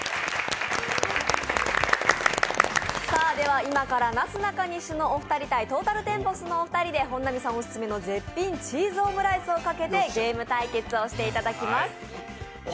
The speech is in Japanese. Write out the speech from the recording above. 今からなすなかにしのお二人対、トータルテンボスのお二人で、本並さんオススメの絶品チーズオムライスをかけてゲーム対決をしていただきます。